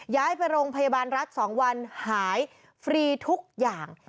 ย้ายไปโรงพยาบาลรัฐ๒วันหายฟรีทุกอย่าง